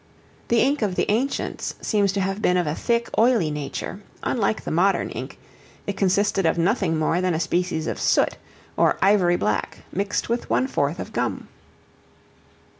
The ink of the ancients seems to have been of a thick, oily nature, unlike the modern ink; it consisted of nothing more than a species of soot, or ivory black, mixed with one fourth of gum.